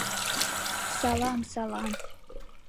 Салам... салам...